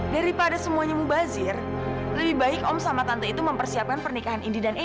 daripada semuanya mubazir lebih baik om sama tante itu mempersiapkan pernikahan indi dan e